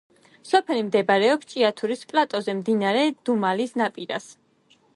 სოფელი მდებარეობს ჭიათურის პლატოზე, მდინარე დუმალის ნაპირას.